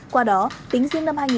qua đó tính riêng năm hai nghìn hai mươi